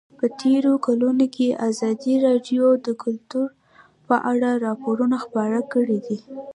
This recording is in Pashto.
په تېرو کلونو کې ازادي راډیو د کلتور په اړه راپورونه خپاره کړي دي.